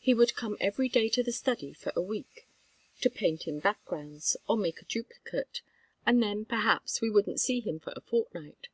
He would come every day to the study for a week to paint in backgrounds, or make a duplicate; and then, perhaps, we wouldn't see him for a fortnight.